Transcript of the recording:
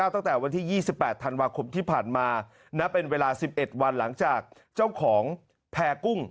ตั้งแต่วันที่๒๘ธันวาคมที่ผ่านมาณเป็นเวลา๑๑วันหลังจากเจ้าของแพร่กุ้ง